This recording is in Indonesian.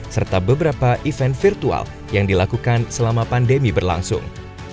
serta beberapa event virtual yang dilakukan selama pandemi berlangsung